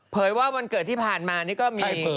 ว่าวันเกิดที่ผ่านมานี่ก็มี